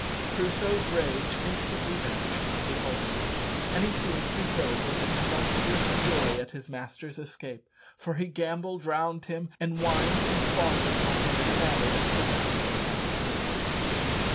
Crusoe's rage instantly vanished on beholding this, and he seemed to be filled with tumultuous joy at his master's escape, for he gambolled round him, and whined and fawned upon him in a manner that could not be misunderstood.